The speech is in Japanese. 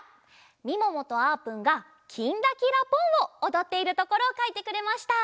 みももとあーぷんが「きんらきらぽん」をおどっているところをかいてくれました。